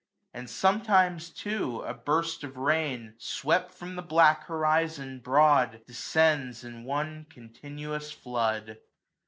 And sometimes too a burst of rain, 330 Swept from the black horizon, broad, descends In one continuous flood.